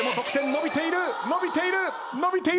伸びているが。